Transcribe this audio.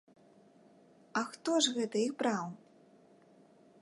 А хто ж гэта іх браў?